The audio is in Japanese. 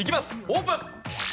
オープン！